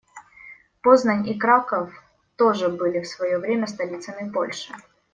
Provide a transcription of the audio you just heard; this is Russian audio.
Познань и Краков тоже были в своё время столицами Польши.